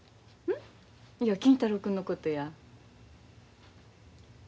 いや金太郎君のことや。